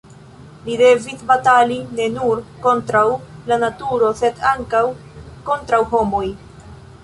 Li devis batali ne nur kontraŭ la naturo, sed ankaŭ kontraŭ homoj.